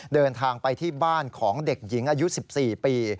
เดินทางไปที่บ้านของเด็กหญิงอายุ๑๔ปี